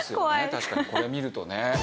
確かにこれ見るとね。